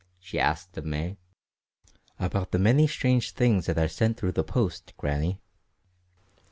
she asked of May. "About the many strange things that are sent through the post, Grannie."